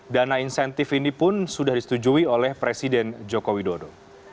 dana insentif ini pun sudah disetujui oleh presiden joko widodo